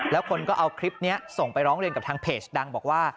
แล้วคนก็เอาคลิปนี้ส่งไปร้องเรียนกับทางเพจดังบอกว่า